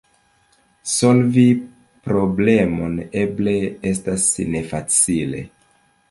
Solvi problemon eble estas nefacile.